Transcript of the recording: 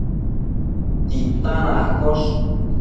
titan accosh